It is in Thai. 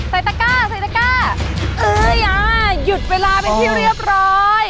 ตะก้าใส่ตะก้าเออหยุดเวลาเป็นที่เรียบร้อย